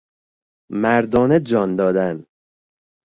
مردانه جان دادن